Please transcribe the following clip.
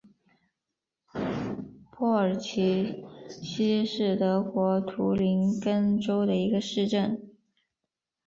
珀尔齐希是德国图林根州的一个市镇。